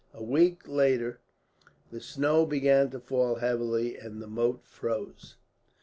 A week later the snow began to fall heavily, and the moat froze.